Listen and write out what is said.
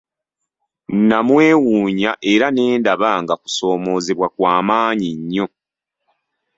Namwewuunya era ne ndaba nga kusoomoozebwa kwa maanyi nnyo.